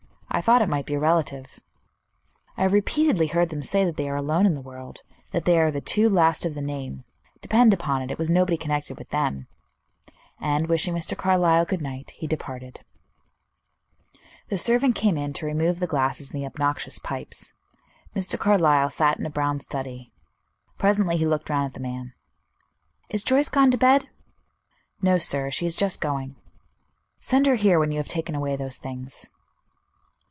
I thought it might be a relative." "I have repeatedly heard them say that they are alone in the world; that they are the two last of the name. Depend upon it, it was nobody connected with them;" and wishing Mr. Carlyle good night, he departed. The servant came in to remove the glasses and the obnoxious pipes. Mr. Carlyle sat in a brown study; presently he looked round at the man. "Is Joyce gone to bed?" "No, sir. She is just going." "Send her here when you have taken away those things."